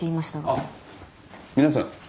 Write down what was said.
あっ皆さん。